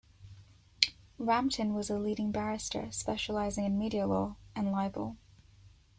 Rampton was a leading barrister specialising in media law and libel.